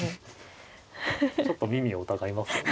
ちょっと耳を疑いますよね。